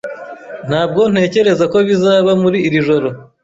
Ntabwo ntekereza ko bizaba muri iri joro.